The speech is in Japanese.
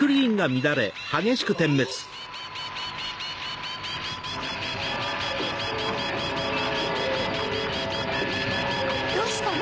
あ⁉どうしたの？